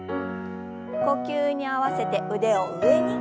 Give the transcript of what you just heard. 呼吸に合わせて腕を上に。